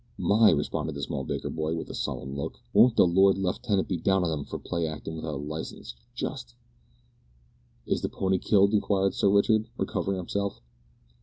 "My!" responded the small baker, with a solemn look, "won't the Lord left tenant be down on 'em for play actin' without a licence, just!" "Is the pony killed?" inquired Sir Richard, recovering himself.